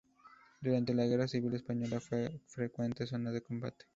Durante la Guerra Civil Española, fue frecuente zona de combate.